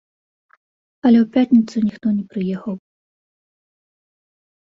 Але ў пятніцу ніхто не прыехаў.